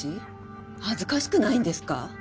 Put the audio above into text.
恥ずかしくないんですか？